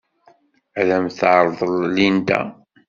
Ad am-t-terḍel Linda.